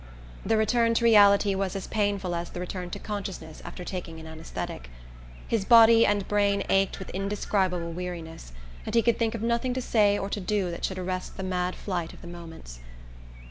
The return to reality was as painful as the return to consciousness after taking an anaesthetic. His body and brain ached with indescribable weariness, and he could think of nothing to say or to do that should arrest the mad flight of the moments.